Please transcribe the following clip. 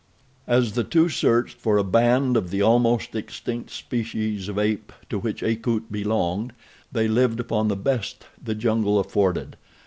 As the two searched for a band of the almost extinct species of ape to which Akut belonged they lived upon the best the jungle afforded.